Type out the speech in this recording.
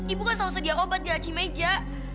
ibu selalu sedia obat di la tim eja